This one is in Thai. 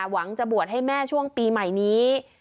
หวังจะบวชให้แม่ช่วงปีใหม่นี้